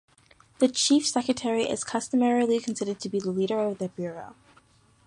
The Chief Secretary is customarily considered to be the leader of the bureaux.